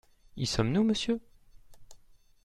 Y sommes-nous, monsieur ?